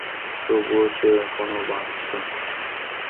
তবুও, সে এখনও বাচ্চা!